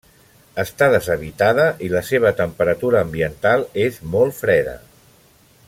Està deshabitada i la seva temperatura ambiental és molt freda.